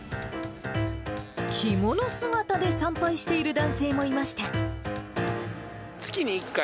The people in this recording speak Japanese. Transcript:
着物姿で参拝している男性も月に１回、